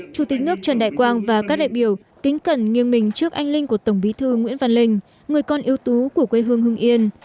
chủ tịch nước trần đại quang và các đại biểu kính cẩn nghiêng mình trước anh linh của tổng bí thư nguyễn văn linh người con yêu tú của quê hương hưng yên